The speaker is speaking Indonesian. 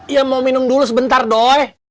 ya mau minum dulu sebentar dong